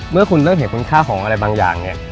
เมื่อคุณเริ่มเห็นคุณค่าของอะไรบางอย่างเนี่ย